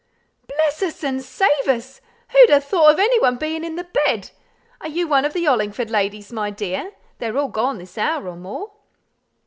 "Bless us and save us! who'd ha' thought of any one being in the bed? Are you one of the Hollingford ladies, my dear? They are all gone this hour or more!"